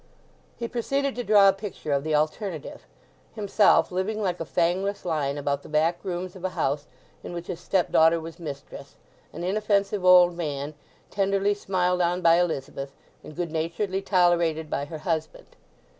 He proceeded to draw a picture of the alternative—himself living like a fangless lion about the back rooms of a house in which his stepdaughter was mistress, an inoffensive old man, tenderly smiled on by Elizabeth, and good naturedly tolerated by her husband.